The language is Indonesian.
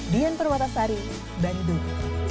dian perwata sari bandung